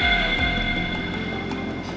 ada banyak tersangkutan punca